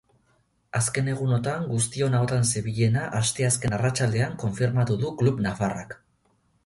Azken egunotan guztion ahotan zebilena asteazken arratsaldean konfirmatu du klub nafarrak.